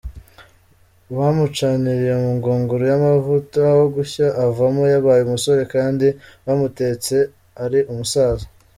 Bamucaniriye mu ngunguru y’amavuta aho gushya avamo yabaye umusore kandi bamutetse ari umusaza.